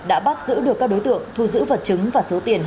đã bắt giữ được các đối tượng thu giữ vật chứng và số tiền hai trăm linh đồng